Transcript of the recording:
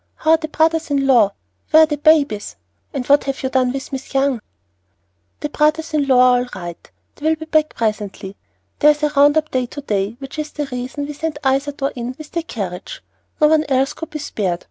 How are the brothers in law? Where are the babies, and what have you done with Miss Young?" "The brothers in law are all right. They will be back presently. There is a round up to day, which was the reason we sent Isadore in with the carriage; no one else could be spared.